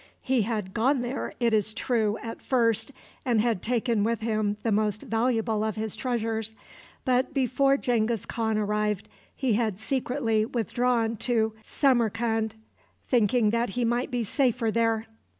He had gone there, it is true, at first, and had taken with him the most valuable of his treasures, but before Genghis Khan arrived he had secretly withdrawn to Samarcand, thinking that he might be safer there.